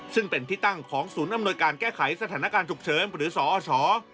ซึ่งเป็นที่ตั้งของศูนย์อำนวยการแก้ไขสถานการณ์ฉุกเฉินหรือสอช